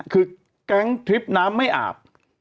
กั้งทริปน้ำไม่อาบ